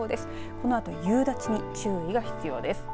このあと夕立に注意が必要です。